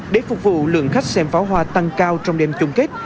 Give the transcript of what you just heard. để phục vụ lượng khách xem pháo hoa tăng cao trong đêm chung kết